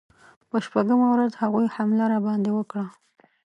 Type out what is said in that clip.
په شپږمه ورځ هغوی حمله راباندې وکړه.